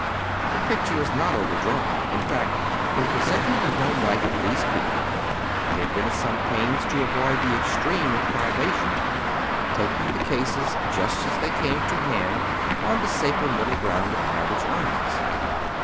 The picture is not overdrawn. In fact, in presenting the home life of these people I have been at some pains to avoid the extreme of privation, taking the cases just as they came to hand on the safer middle ground of average earnings.